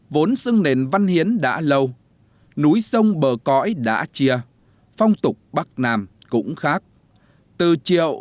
vốn xưng nền văn hiến đã lâu núi sông bờ cõi đã chia phong tục bắc nam cũng khác từ triệu